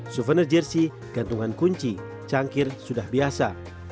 souvenir jersey gantungan kunci cangkir sudah biasa